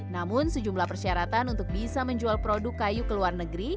namun sejumlah persyaratan untuk bisa menjual produk kayu ke luar negeri